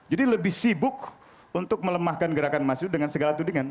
jadi lebih sibuk untuk melemahkan gerakan mahasiswa dengan segala tudingan